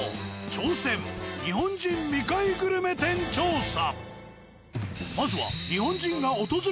挑戦日本人未開グルメ店調査。